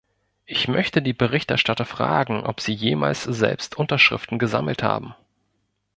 Ich möchte die Berichterstatter fragen, ob sie jemals selbst Unterschriften gesammelt haben.